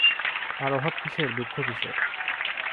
তার অভাব কিসের, দুঃখ কিসের?